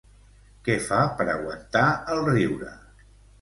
Què fa per aguantar el riure?